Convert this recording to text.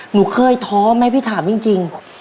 หนูเคยท้อไหมพี่ถามจริง